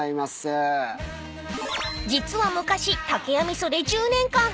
［実は昔］